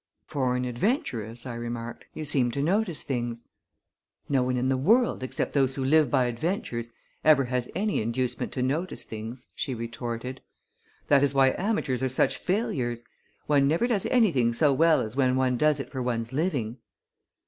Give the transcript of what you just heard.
"For an adventuress," I remarked, "you seem to notice things." "No one in the world, except those who live by adventures, ever has any inducement to notice things," she retorted. "That is why amateurs are such failures. One never does anything so well as when one does it for one's living."